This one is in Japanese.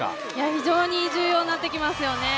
非常に重要になってきますよね。